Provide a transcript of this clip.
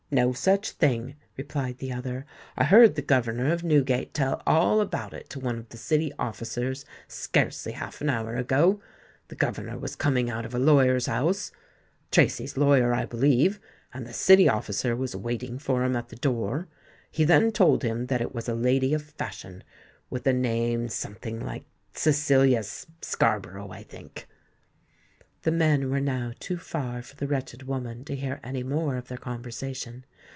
"No such thing," replied the other. "I heard the governor of Newgate tell all about it to one of the City officers scarcely half an hour ago. The governor was coming out of a lawyer's house—Tracy's lawyer, I believe—and the City officer was waiting for him at the door. He then told him that it was a lady of fashion—with a name something like Cecilia Scarborough, I think——" The men were now too far for the wretched woman to hear any more of their conversation.